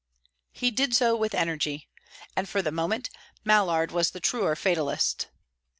He did so with energy. And for the moment Mallard was the truer fatalist.